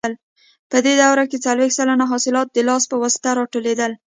په دې دوره کې څلوېښت سلنه حاصلات د لاس په واسطه راټولېدل.